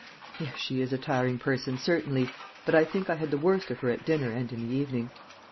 "Yes, she is a tiring person, certainly; but I think I had the worst of her at dinner and in the evening."